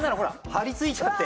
張りついちゃって。